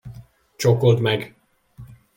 Csókold meg!